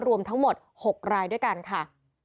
รวมทั้งหมด๖รายด้วยกันค่ะ